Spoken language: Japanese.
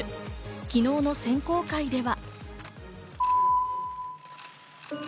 昨日の選考会では。